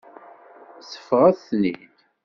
Seffɣet-ten-id.